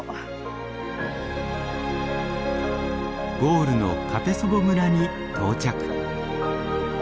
ゴールのカペソヴォ村に到着。